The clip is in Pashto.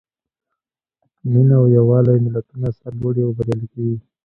مینه او یووالی ملتونه سرلوړي او بریالي کوي.